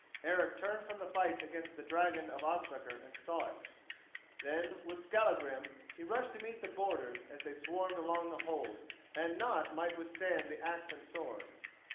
Eric turned from the fight against the dragon of Ospakar and saw it. Then, with Skallagrim, he rushed to meet the boarders as they swarmed along the hold, and naught might they withstand the axe and sword.